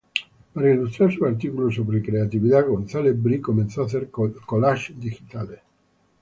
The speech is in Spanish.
Para ilustrar sus artículos sobre creatividad, González Bree comenzó a hacer collages digitales.